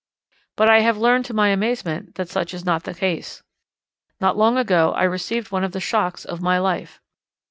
But I have learned to my amazement that such is not the case. Not long ago I received one of the shocks of my life.